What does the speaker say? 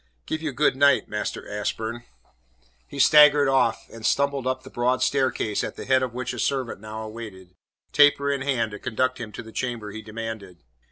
Give you good night, Master Ashburn." He staggered off, and stumbled up the broad staircase at the head of which a servant now awaited, taper in hand, to conduct him to the chamber he demanded.